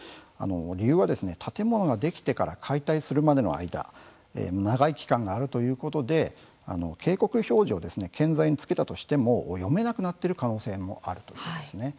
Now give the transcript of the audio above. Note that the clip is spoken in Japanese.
理由は、建物ができてから解体するまでの間長い期間があるということで警告表示を建材につけたとしても読めなくなっている可能性もあるということです。